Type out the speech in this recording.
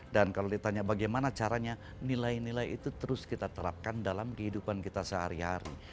dan kalau ditanya bagaimana caranya nilai nilai itu terus kita terapkan dalam kehidupan kita sehari hari